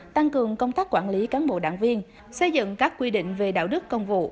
tăng cường công tác quản lý cán bộ đảng viên xây dựng các quy định về đạo đức công vụ